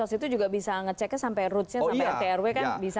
dinsos itu juga bisa ngeceknya sampai rootsnya sampai trw kan bisa ya